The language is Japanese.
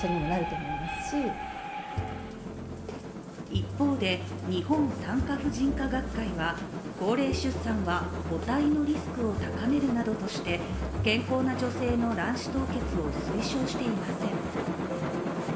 一方で、日本産科婦人科学会は高齢出産は母体のリスクを高めるなどとして健康な女性の卵子凍結を推奨していません。